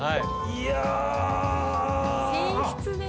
いや。